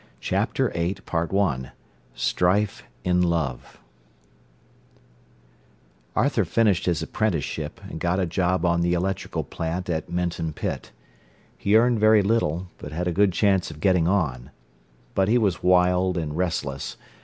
CHAPTER VIII STRIFE IN LOVE Arthur finished his apprenticeship, and got a job on the electrical plant at Minton Pit. He earned very little, but had a good chance of getting on. But he was wild and restless.